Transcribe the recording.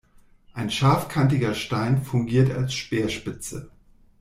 Ein scharfkantiger Stein fungiert als Speerspitze.